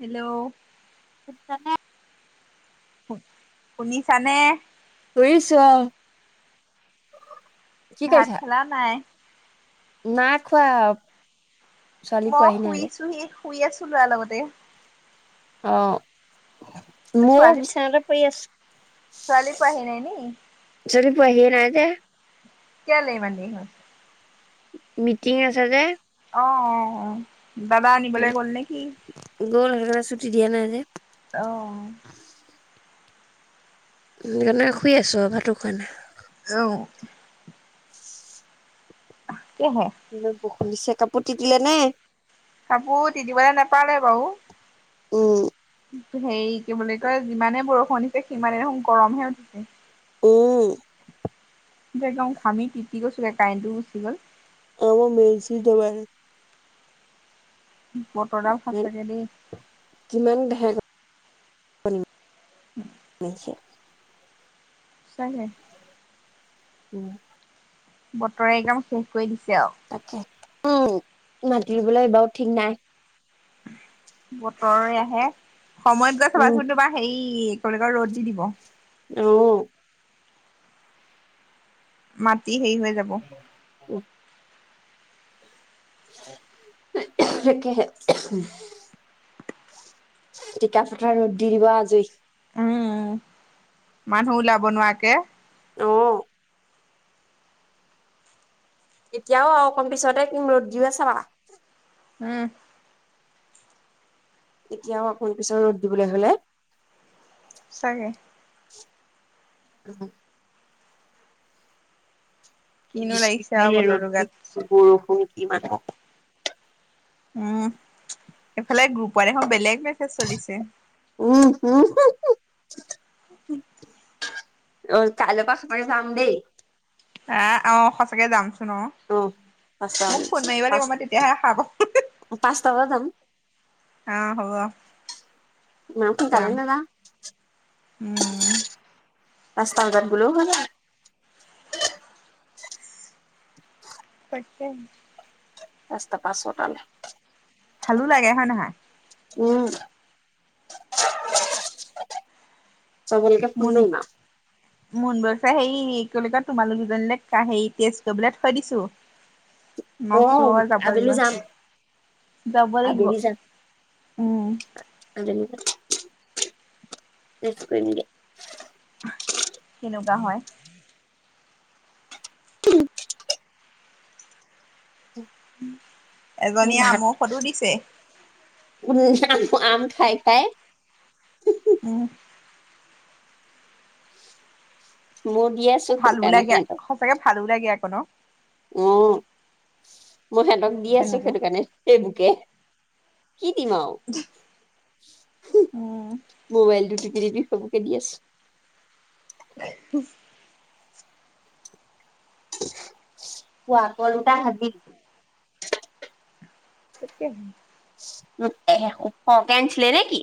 Hello [unintelligible] শুন শুনিছানে? তৰিছো আও। ভাত খালা নাই? নাই খোৱা। ছোৱালী মই পোৱাহি নাই যে শুইছোহি। শুই আছিলোঁ ইয়াৰ লগতে। অ মইয়ো বিচনাতে পৰি আছোঁ। ছোৱালি পোৱাহি নাই নিকি? ৰয় দে। কেইলে ইমান দেৰি হ'ল? মিটিং আছে যে। অ, অ, অ। দাদা আনিবলে গ'ল নে কি? গল [unintelligible] ছুটি দিয়া নাই যে। অহ, সেইকাৰণে শুই আছো ভাতো কইনা। অ', [inaudible] কিয় হয়। বিছে কাপোৰ টিটিলে নে? কাপোৰ তিটিবলে নেপালে বাৰু। উম তো হেৰি কি বুলি কয় যিমানে বৰষুণ সিমানহে দেখোন গৰমহে উঠিছে। উম, একদম ঘামি তিতি গৈছো গে কাৰেণ্টটো গুচি গ'ল। আমাৰ মেন চুইচ ডবাই থৈছে। বতৰডাল নাই, সঁচাকে দেই। কিমান [unintelligible] [unintelligible] [unintelligible] চোৱা নাই। কোৱা। বতৰে একদম সো কই দিছে আও। তাকে উম, মাতিবলৈ এইবাৰো ঠিক নাই। বতৰৰে আহে সময়ত গৈ উম চাবাচোন তোমাৰ হেৰি [unintelligible] ৰ'দ দি দিব। অহ, মাত। ই হেৰি হৈ যাব। [unintelligible] টিকা ফটা ৰদ দি দিব আজি। উম মানুহ ওলাব নোৱাকে। অহ, এতিয়াও অকণ পিছতে কিম ৰদ দিৱে চাবা। উহ, এতিয়াও অকণ পিছত ৰ'দ দিবলৈ হলে। সঁচাকে। উম, কিনো বৃষ্টি লাগিছে আৰু খায়ে বতৰটো ৰ'দ গাত। দি বৰষুম কি মানে? উম, এইফালে গ্ৰুপত এখন বেলেগ মেছেজ চলিছে। হা হা। অই কালেপৰা সচাকে যাম দেই আহ আহ সঁচাকে যাম অ অ পাঁচটা মোক ফোন মাৰিব লাগিব পাঁচ মই তেতিয়াহে সাৰপাম পাঁচটা বজাত যাম অ হব ইমান সোনকালে যাম নাযাওঁ উম। পাঁচটা বজাত গলেও হয় যায় তাকে পাঁচটা পৰা ছয়টা লৈ ভালো লাগে হয় নহয় উম চবলকে ফোন মাৰিম আও মুনবৌয়ে সেই কি বুলি কয় তোমালোক দুজনী তেজ কৰিব থৈ দিছো অ মই কৈছো যাব লাগিব। আবেলি যাম যাব লাগিব আবেলি যাম উম আবেলি তেচ কৰিম গে কেনেকুৱা হয় উম [inaudible] মোৰ ভাত উন্ [unintelligible] আম খাই খাই উম মোড ভালো লাগে সঁচাকে ভালো লাগে আকো নো উম মই সিহঁতক দি আছো তেনেকে সেইটো কাৰণে সেই বুকে কি দিম আও উম। মোবাইলটো যি টি সেইবোৰকে দি আছো [inaudible] কোৱা কলটা ভাবি তাকে হকে আনিছিলে নি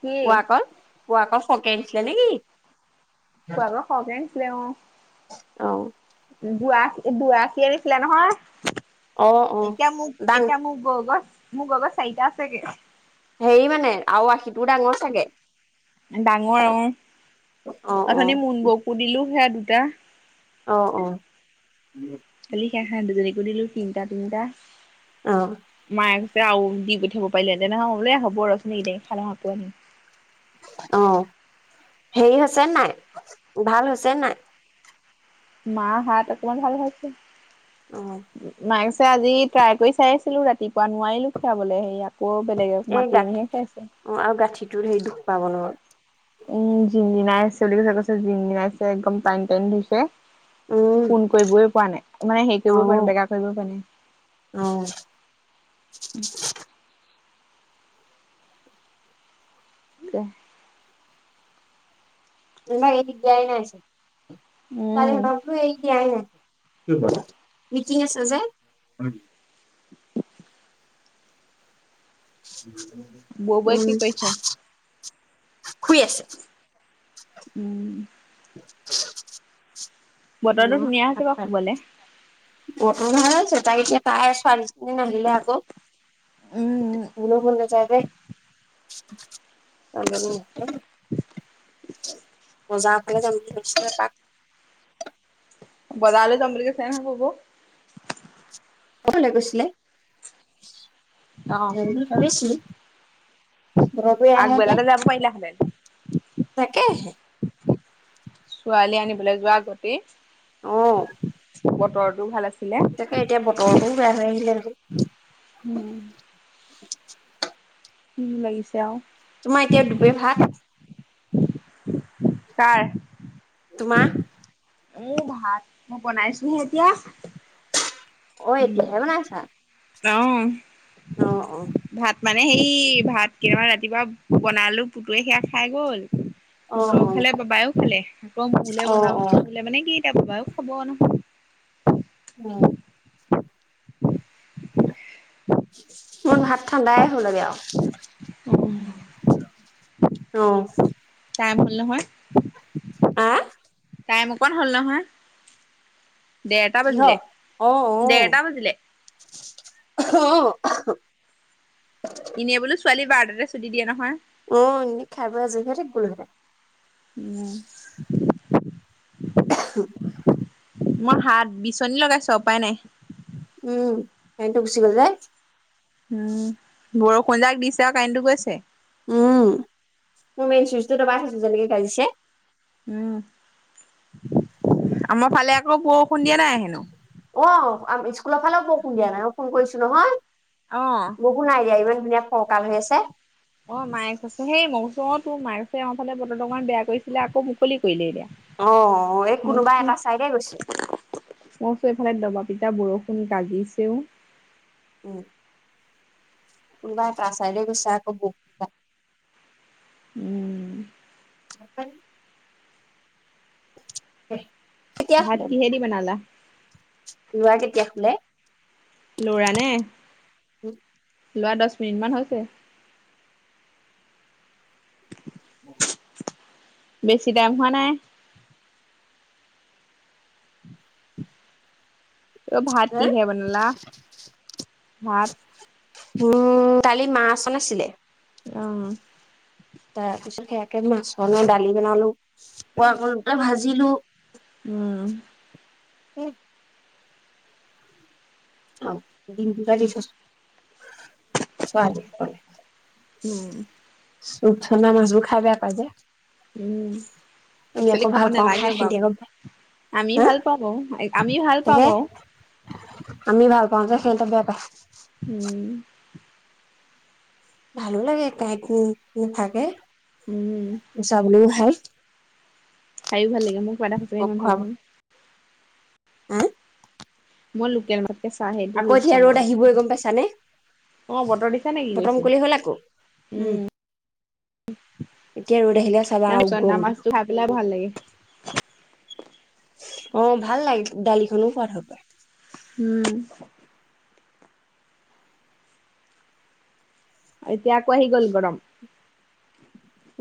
কি কোৱা কল পোৱা কল স ছিল নেকি অওঁ গোৱা দু আশী আনিছিলে নহয় অ', অ'। এতিয়া মোক ডাঙ এতিয়া মোক গগছ মোৰ লগৰ চাৰিটা আছেগে হেৰি মানে আৰু আশিটোও ডাঙৰ চাগে ডাঙৰ অ অ', অ'। অথনি মুন বৌকো দিলো সেয়া দু টা অ অ খালি সে হাঁ দুজনীকো দিলো তিনটা তিনটা অ', মায়ে আৱ দি পঠিয়াব পাৰিলো হেঁতেন আৱ বোলে হ'ব ৰচোন এইকেইটাকে খাই লওঁ আকৌ আহিম অ হেৰি হৈছে নাই ভাল হৈছে নাই মা হাত অকণমান ভাল হৈছে অহ মাক্সে আজি ট্ৰাই কৰি চাইছিলো ৰাতিপুৱা নোৱাৰিলো খিয়াবলে সেই ইয়াত এই গাঠ অ আৰু গাঁঠিটোৰ সেই দুখ পাব নহয় উম জিন জিনাইছে বুলি কৈছে কৈছে জিন জিনাইছে একদম টানি টানি ধৰিছে উম, ফোন কৰিবই পৰা নাই মানে হেৰি কৰিবই পৰা নাই অ'। বেকা কৰিবই পৰা নাই অ', দে ইমানকে দিগদাই নাই উম তাৰে সেতকতো সেই দিয়াই নাই মিটিং আছ যে উ [unintelligible] ব বোৱাই কি কৰিছে শুই আছে উম [unintelligible] বতৰটো উম ধুনীয়া হৈছে বাৰু শুবলে বতৰ ভাল আছে তাক এতিয়া তাই চো ন নাহিলে আকৌ উম শুবলো মন নাযায় বজা ফালে যাম বুলি ভাবিছোঁ এপাক বজালো যাম বুলি কৈছে নহয় সৰু বৌ অকলে গৈছিলে। অ' যাম বুলি ভাবিছিলো দুপৰীয়া লাহে কে আগবেলাতে যাব পাৰিলাহেঁতেন। তাকে হে। ছোৱালী আনি। যোৱা আগতেই। অ বতৰটোও ভাল আছে। তাকে এতিয়া বতৰতো বেয়া হৈ আহিলে নহয়। উম কি লাগিছে আৱ। তোমাৰ এতিয়া দুপৰীয়া ভাত। কাৰ তোমা উ ভাত মই বনাইছোহে এতিয়া। অ, এতিয়াহে বনাইছা? অ', অ, অ। ভাত মানে সেই ভাত কেইটা ৰাতিপুৱা বনালো। পুতুৱে সেয়া খাই গ'ল। অ পোতৰ খালে বা বায়েও খালে। আকৌ মোলে অ অ বনাওঁ অ মোলে মানে কি এবাৰো খবৰ নহল। উম মোৰ ভাত ঠাণ্ডাই [unintelligible] আৰু, অ। চাই ভুল নহয়। আ? টাইম অকন হ'ল নহয়। দেৰটা কিহ বাজিলে। অ অ দেৰটা বাজিলে। অ। এনে বোলো ছোৱালী বাৰ তাতে ছুটি দিয়ে নহয়। অ এনে খাই বৈ আজৰি হৈ থাকিব লাগে। উম [unintelligible] [unintelligible] মই হাত বিচনী লগাইছো আৰু উপায় নাই। উম, ভাইটো গুচি গল যে। উম বৰষুণ যাক দিছে আৰু কাৰেণ্টটো গৈছে। উম মোৰ মেইন চুইছ টো দবাই চাইছোঁ যেনেকে বাজিছে। উম, আমাৰ ফালে আকৌ বৰষুণ দিয়া নাই হেনো। অ স্কুলৰ ফালেও বৰষুণ দিয়া নাই। মই ফোন কৰিছো নহয়। অ'। বহু নাই দিয়া ইভন এতিয়া ফৰকাল হৈ আছে। অ ', মায়ে কৈছে সেই, মই কৈছোঁ অ তোৰ [unintelligible] ফালে বতৰটো ইমান বেয়া কৰিছিলে, আকৌ মুকলি কৰিলে এতিয়া। অ', এই মই কোনোবা কৈছো এটা চাইডে গৈছে। মই কৈছোঁ, এইফালে দবা- পিটা বৰষুণ গাজিছেও। উম', কোনবা এটা চাইড হৈ গৈছে আকৌ [unintelligible] উম [unintelligible] [unintelligible] কেতিয়া ভাত খুলিব? কিহেদি বনালা লৰা, - কেতিয়া শুলে? লৰা নে? লোৱা দছ- মিনিট মান হৈছে। [inaudible] উম, [inaudible] বেছি দাম হোৱা নাই। অ ভাত কিহে বনালা? ভাত, - উম কালি মাছ অনা আছিলে। অহ ', তাৰ পিছতে একে মাছ বনালো দালি বনালো। [unintelligible] দুটা ভাজিলো উম ', কি অহ, ' দিম দুটা দি থৈছো। চুৱা দুখ পালো। উম, ৰূপচন্দা মাছবোৰ খাই বেয়া পাই যে, - উম', একচলি খাব ভাল পাওঁ খাই নালাগেও সিহঁতি বাৰু আকৌ আমি হা ভাল পাওঁ বাৰু আমি ভাল পাওঁ তাকে বাৰু আমি ভাল। যে হেঁতে বেয়া পায়। উম ভালো লাগে কাইট নাথাকে। উম গুচাবলৈ ভাল। খাইো ভাল লাগে। খোৱাব [unintelligible] [unintelligible] মোৰ লোকেল মা, - কেঁচা সেইটো আকৌ ৰূপ এতিয়া -চন্দা ৰ'দ মাছ আহিবই গম পাইছানে ।অ ', বতৰ দেখিছা নি, কি বতম কৰিছে মুকলি হ'ল আকৌ উম উম্ এতিয়া ৰ'দ আহিলে চাবা ৰূপ আৰু -চন্দা গৰম উঠিব মাছটো ভাজিলে ভাল লাগে। অ ', ভাল লাগে ডালি খনো সোৱাদ হয় বাৰু। উম, ' এতিয়া আকৌ আহি গ'ল, গৰম।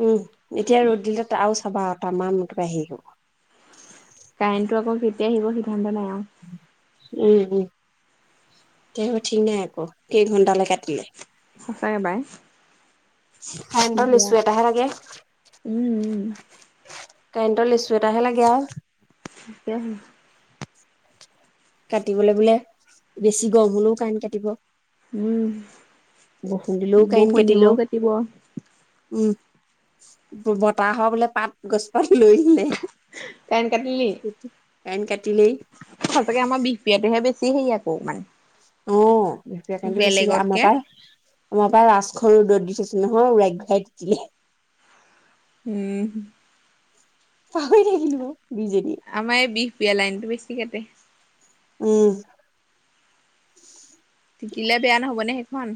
উম এতিয়া ৰ'দ দিলে আও চাবা টামান মুঠতে আহিব । কাৰেণ্ট টো আকৌ কেতিয়া আহিব সিদ্ধান্ত নহল অল উম উম কেতিয়া আহিব ঠিক নাই আকৌ কেইঘন্টালে কাটিলে । সঁচাকে বাই । ইছু এটাহে আগে উম । উম কাৰেণ্টৰ লিছো এটাহে লাগে আৰু তাকে কাটিবলৈ বোলে বেছি গৰম হলেও কাৰেণ্ট কাটিব উম বৰষুণ দিলেও কাইন বৰষুণ কাটিব দিলেও উম । বতাহৰ বোলে পাত গছপাত । লৈ আহিলে কাৰেণ্ট কাটিলি কাইন কাটিলেই তাকে আমাৰ বিয়াতটোহে বেছি সে আকৌ মানে অ এতিয়া কাৰানটো গৈছে আমা বেলেগতকে পাই আমাৰ পৰাায় ৰাজখৰনো দৈত । দি থৈছিল নহয় উৰাই ঘুৰাই তিতিলে । উম। পাহই থাকিলো বাঅ । আমাৰ এই বি য়া লাইনটো বেছি কাটে। উম । তিতিলে বেয়া নহব নে সেই । বন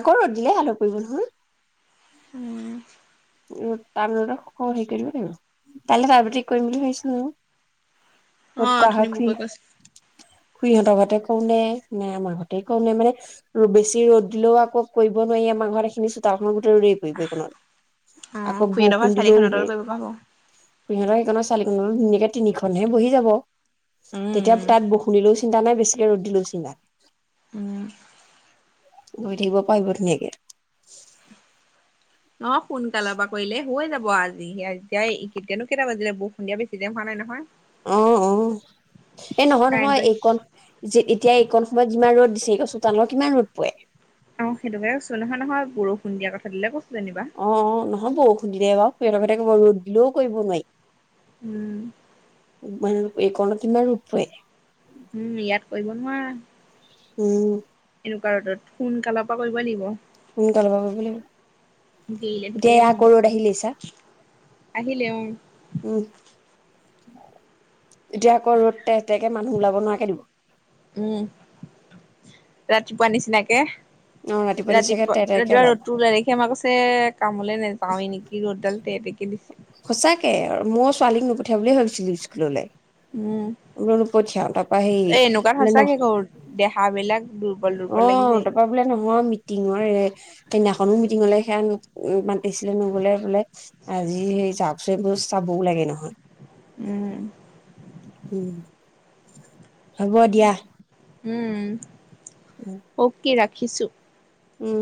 আকৌ ৰ'দ দিলে ভাল হৈ পৰিব নহয় উম। উ তাৰমানে ৰ'দত হেৰি কৰিব লাগিব কাইলে তাত বাতি কৰিম বুলি ভাবিছিলো মই । অ অথনি বৌকে কৈছিলে । খুড়াহঁতৰ ঘতে কওঁ নে নে আমাঘতে কওঁ নে মানে বেছি ৰ'দ দিলও আকৌ কৰিব নোৱাৰি আমাঘৰত এইখিনি চোতালখন অ [unintelligible] আকৌ খুৰীহঁতৰ বৰষুণ ঘৰ দিলেও চালিখনৰ তলত সেই কৰিব পৰা হ'ব সহঁতৰ সেই । এনেও ধুনীয়াকে । তিনিখনহে বহি যাব উম তেতিয়া তাত বৰষুণ দিলেও চিন্তা নাই বেছি । ৰ'দ দি লৈছিলে । উম । বহি থাকিব পাৰিব ধুনীয়াকে । অ সোনকালৰ পৰা কৰিলে হৈ যাব । আহিব আজি সেয়া এতিয়া এতিয়ানো কেইটা বাজিলে বৰষুণ দিয়া বেছি টাইম হোৱা নাই নহয় অ অ এই নহয় নহয় কাৰেণ্টটোৱে এইকণ যে এতিয়া এইকণ সময়ত যিমান ৰ'দ দিছে। পেহী ঘৰৰ চোতালত কিমান ৰ'দ পয়ে অ সেইটোকে কৈছো নহয় নহয় বৰষুণ দিয়া কথাটোলে কৈ অ অ নহ'বও ৰ'দ দিলে তই পেহী হেতৰ ঘৰতে কৰিব পাৰিবি মই ৰ'দ দিলেও কৰিব নোৱাৰিম উম এই কণত কিমান নো ৰ'দ পৰে। উম ইয়াত কৰিব নোৱাৰা উম চোকা ৰ'দত সোনকাল পা কৰিব লাগিব। সোনকালে [unintelligible] দেৰিলে থাকিলে এইয়া নহ'ব আকৌ ৰ'দ আহিলেইছা আহিলে অ এতিয়া আকৌ ৰ'দ টাই টাই কে মানুহ ওলাব নোৱাৰাকে দিব উম ৰাতিপুৱা নিচিনাকে অ নিচাকে ৰাতিপুৱা তে তেকে ৰাতিপুৱা ওলাব ৰ'দটো ওলাই দেখি আমা কৈছে কামলে নাযাওৱেই নেকি ৰ'দডাল [unintelligible] সঁচাকে আৰু মোৰ ছোৱালীক নপঠিয়াও বুলিয়ে ভাবিছিলো স্কুললে উম সেই এ এনেকুৱাত বোলে ন সচাকে ক দেহা বিলাক অ তাৰপা বোলে নমৰ মিটিঙৰ ৰেক টেঙা। আমি মিটিং হলে সেয়া হেনো ইমান পেচিডেন নগলে বোলে আজি সেই চাওক চোনবোৰ চাবও লাগে নহয় উম উম হ'ব দিয়া উম অকে ৰাখি খিছো উম